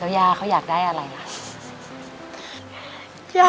ยาเขาอยากได้อะไรค่ะ